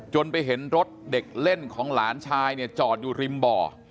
ไปเห็นรถเด็กเล่นของหลานชายเนี่ยจอดอยู่ริมบ่อ